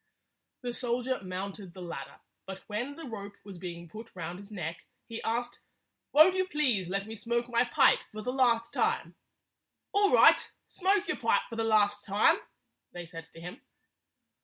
The soldier mounted the ladder, but when the rope was being put round his neck, he asked, "Won't you please let me smoke my pipe for the last time?" "All right Smoke your pipe for the last time," they said to him.